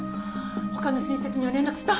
他の親戚には連絡した？